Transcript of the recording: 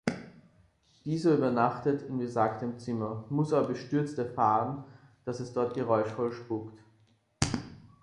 Dieser übernachtet in besagtem Zimmer, muss aber bestürzt erfahren, dass es dort geräuschvoll spukt.